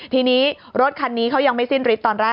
ทีนี้รถคันนี้เขายังไม่สิ้นฤทธิตอนแรก